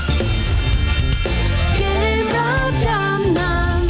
เกมรับจำนำ